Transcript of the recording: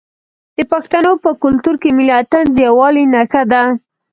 د پښتنو په کلتور کې ملي اتن د یووالي نښه ده.